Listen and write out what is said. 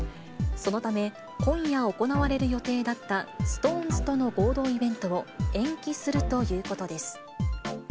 そのため、今夜行われる予定だったＳｉｘＴＯＮＥＳとの合同イベントを延期するということです。